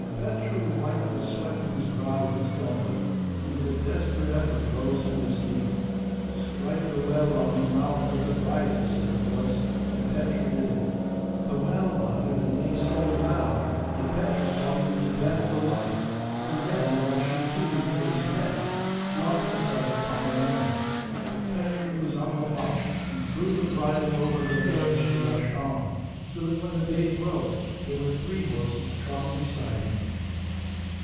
Petru wiped the sweat from his brow with his gauntlet, and with a desperate effort rose to his feet. 'Strike the Welwa on the mouth with the bridle,' said the horse, and Petru did it. The Welwa uttered a neigh so loud that Petru thought he would be deaf for life, and then, though she too was nearly spent, flung herself upon her enemy; but Petru was on the watch and threw the bridle over her head, as she rushed on, so that when the day broke there were three horses trotting beside him.